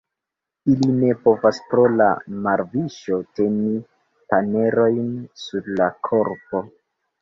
Ili ne povas pro la marviŝo teni panerojn sur la korpo.